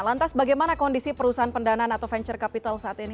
lantas bagaimana kondisi perusahaan pendanaan atau venture capital saat ini